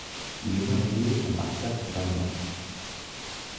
Il est marié à Marzak Mamma.